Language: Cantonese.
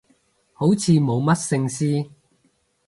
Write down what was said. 好似冇乜聖詩